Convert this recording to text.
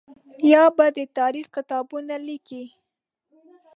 یا به د تاریخ کتابونه لیکي.